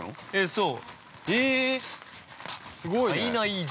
◆そう。